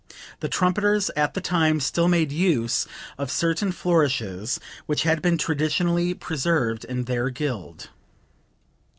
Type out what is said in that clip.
The trumpeters at the time still made use of certain flourishes which had been traditionally preserved in their guild.)